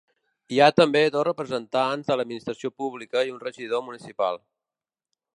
Hi ha també dos representants de l’administració pública i un regidor municipal.